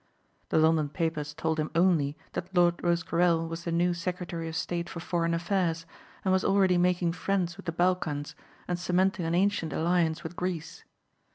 The London papers told him only that Lord Rosecarrel was the new Secretary of State for Foreign Affairs and was already making friends with the Balkans and cementing an ancient alliance with Greece.